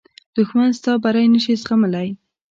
دښمن ستا بری نه شي زغملی